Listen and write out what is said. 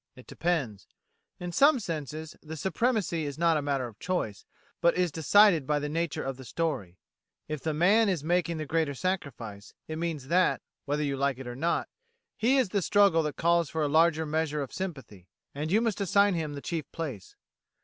It depends. In some senses the supremacy is not a matter of choice, but is decided by the nature of the story. If the man is making the greater sacrifice, it means that, whether you like it or not, his is the struggle that calls for a larger measure of sympathy; and you must assign him the chief place.